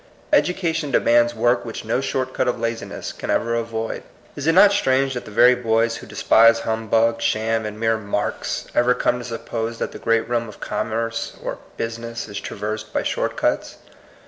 Education demands work which no short cut of laziness can ever avoid. Is it not strange that the very boys who despise humbug, sham, and mere *^ marks," ever come to suppose that the great realm of commerce or " business " is traversed by short cuts?